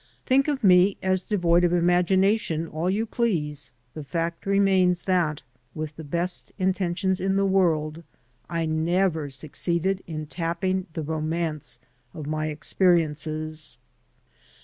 Think of me as devoid of imagina tion all you please, the fact remains that, with the best intentions in the world, I never succeeded in tapping the romance of my experiences.